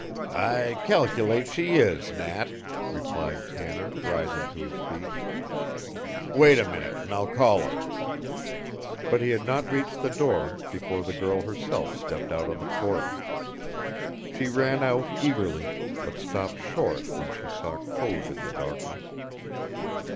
"I cal'late she is, Nat," replied Tanner, rising to his feet. "Wait a minute an' I'll call her." But he had not reached the door before the girl herself stepped out on the porch. She ran out eagerly, but stopped short when she saw Code in the darkness.